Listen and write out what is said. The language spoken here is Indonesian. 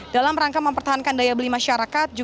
dalam rangka mempertahankan daya beli masyarakat